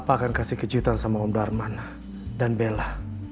papa akan kasih kejutan sama om darman dan bella